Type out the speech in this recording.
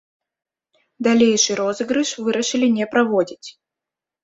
Далейшы розыгрыш вырашылі не праводзіць.